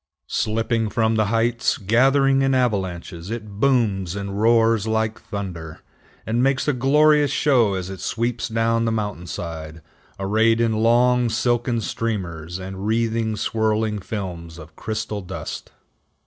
Slipping from the heights, gathering in avalanches, it booms and roars like thunder, and makes a glorious show as it sweeps down the mountain side, arrayed in long, silken streamers and wreathing, swirling films of crystal dust.